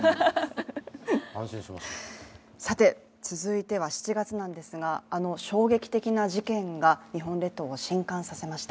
続いては７月ですが、あの衝撃的な事件が日本列島を震かんさせました。